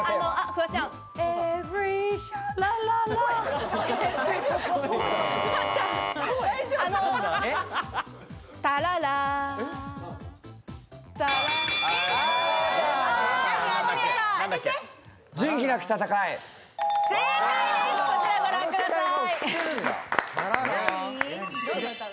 こちらご覧ください。